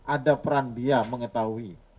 ada peran dia mengetahui